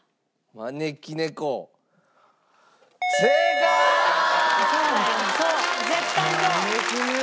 招き猫か。